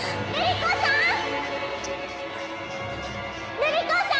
瑠璃子さん！